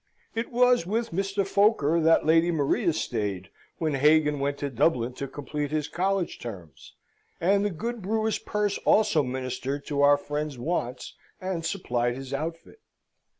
It was with Mr. Foker that Lady Maria stayed when Hagan went to Dublin to complete his college terms; and the good brewer's purse also ministered to our friend's wants and supplied his outfit.